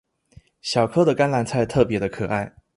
小顆的甘藍菜特別的可愛